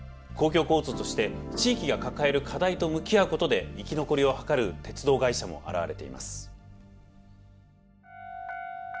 公共交通として地域が抱える課題と向き合うことで生き残りを図る鉄道会社も現れています。